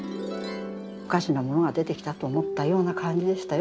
おかしなものが出てきたと思ったような感じでしたよ。